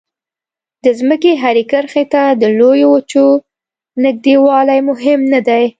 د ځمکې هرې کرښې ته د لویو وچو نږدېوالی مهم نه دی.